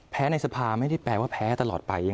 ในสภาไม่ได้แปลว่าแพ้ตลอดไป